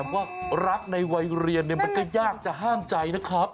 ว่ารักในวัยเรียนมันก็ยากจะห้ามใจนะครับ